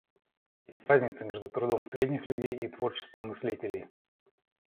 Есть разница между трудом средних людей и творчеством мыслителей.